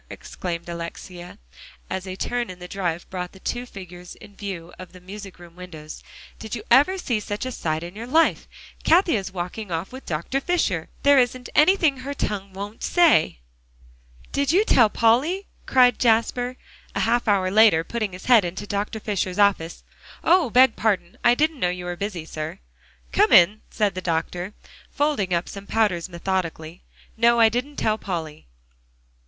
exclaimed Alexia, as a turn in the drive brought the two figures in view of the music room windows, "did you ever see such a sight in your life? Cathie is walking off with Dr. Fisher! There isn't anything her tongue won't say!" "Did you tell Polly?" cried Jasper, a half hour later, putting his head into Dr. Fisher's office. "Oh! beg pardon; I didn't know you were busy, sir." "Come in," said the doctor, folding up some powders methodically. "No, I didn't tell Polly."